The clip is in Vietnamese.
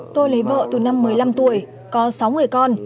tôi lấy vợ từ năm một mươi năm tuổi có sáu người con